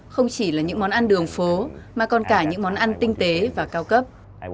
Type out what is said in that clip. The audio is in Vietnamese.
không chỉ là những món ăn đường phố mà còn cả những món ăn tinh tế và cao cấp